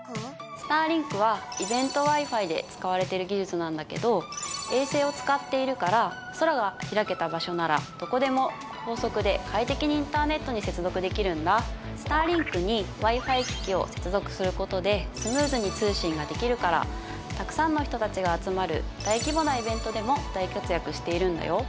ＳｔａｒｌｉｎｋはイベントＷｉ−Ｆｉで使われてる技術なんだけど衛星を使っているから空が開けた場所ならどこでも高速で快適にインターネットに接続できるんだＳｔａｒｌｉｎｋにＷｉ−Ｆｉ機器を接続することでスムーズに通信ができるからたくさんの人たちが集まる大規模なイベントでも大活躍しているんだよ